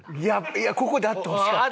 いやここであってほしかった。